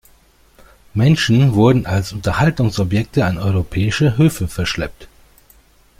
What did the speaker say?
Menschen wurden als Unterhaltungsobjekte an europäische Höfe verschleppt.